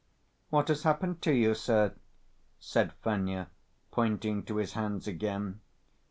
"What has happened to you, sir?" said Fenya, pointing to his hands again.